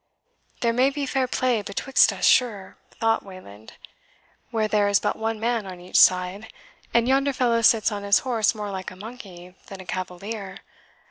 "There may be fair play betwixt us, sure," thought Wayland, "where there is but one man on each side, and yonder fellow sits on his horse more like a monkey than a cavalier.